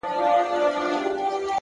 ژمنتیا هدف له خوب څخه واقعیت ته راولي!